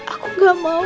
aku gak mau